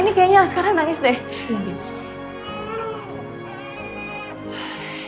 ini kayaknya sekarang nangis deh